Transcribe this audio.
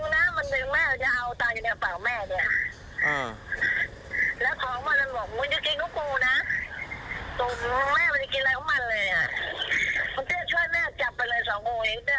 แม่ก็นึกว่ามันนั่นนะแม่ถ้าเหล่านี้ไม่ได้เคลื่อนแล้วมันทำอาวุธรีน